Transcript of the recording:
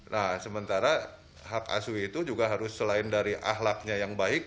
nah sementara hak asuh itu juga harus selain dari ahlaknya yang baik